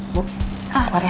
bu keluar ya